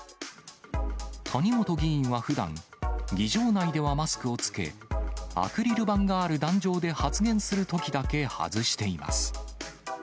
谷本議員はふだん、議場内ではマスクを着け、アクリル板がある壇上で発言するときだけ外しています。